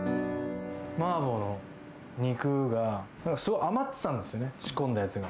麻婆の肉がすごい余ってたんですね、仕込んだやつが。